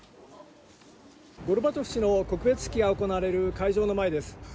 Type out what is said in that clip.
ゴルバチョフ氏の告別式が行われる会場の前です。